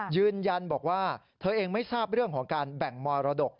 ยืนยันบอกว่าเธอเองไม่ทราบเรื่องของการแบ่งมรดก